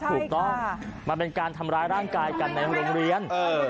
มันเป็นการทำร้ายร่างกายกันในโรงเรียน